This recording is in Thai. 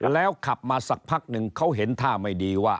แล้วขับมาสักพักหนึ่งเขาเห็นท่าไม่ดีว่า